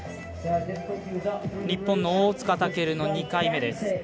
日本の大塚健の２回目です。